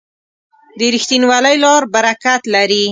د رښتینولۍ لار برکت لري.